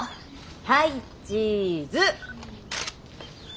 はいチーズ！